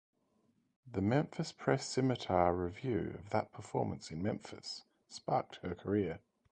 The "Memphis Press-Scimitar" review of that performance in Memphis sparked her career.